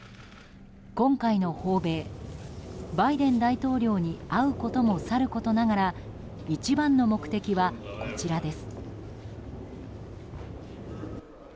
今回の訪米、バイデン大統領に会うこともさることながら一番の目的は、こちらです。